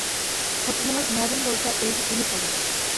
خوتۇنىڭىز نەدىن بولسا ئۆيگە ئۈنۈپ بولىدۇ.